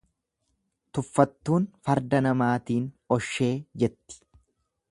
Tuffattuun farda namaatiin oshee jetti.